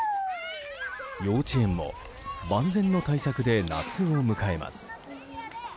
幼稚園も万全の対策で夏を迎えます。